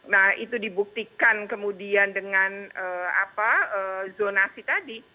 nah itu dibuktikan kemudian dengan zonasi tadi